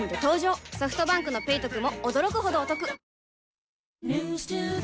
ソフトバンクの「ペイトク」も驚くほどおトク